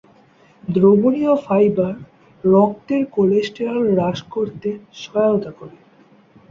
দ্রবণীয় ফাইবার রক্তের কোলেস্টেরল হ্রাস করতে সহায়তা করে।